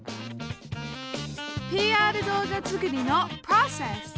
ＰＲ動画作りのプロセス！